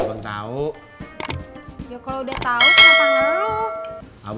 tapi kalau udah tahu kenapa ngaluh berantakan merenung